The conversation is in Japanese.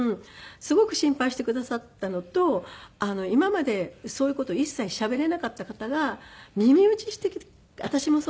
すごく心配してくださったのと今までそういう事を一切しゃべれなかった方が耳打ちしてきて「私もそうなんです」とか。